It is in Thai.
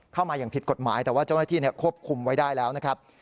มาอย่างผิดกฎหมายแต่ว่าเจ้าหน้าที่ควบคุมไว้ได้แล้วนะครับ